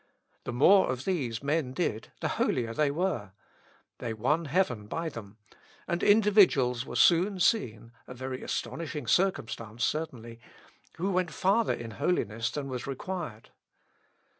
The more of these men did, the holier they were; they won heaven by them, and individuals were soon seen (a very astonishing circumstance, certainly) who went farther in holiness than was required.